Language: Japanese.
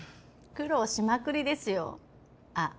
苦労しまくりですよあっ